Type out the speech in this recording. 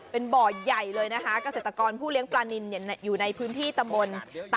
เป็นบ่อใหญ่เลยนะคะเกษตรกรผู้เลี้ยงปลานินอยู่ในพื้นที่ตำบล